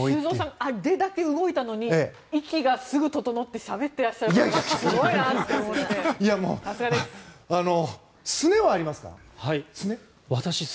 あれだけ動いたのに息がすぐ整ってしゃべっていらっしゃるのがすごいなと思って、さすがです。